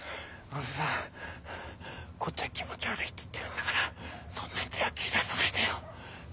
あのさこっちは気持ち悪いって言ってるんだからそんなに強く揺らさないでよ。